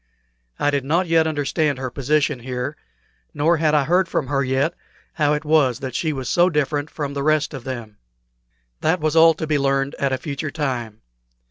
I did not yet understand her position here, nor had I heard from her yet how it was that she was so different from the rest of them. That was all to be learned at a future time.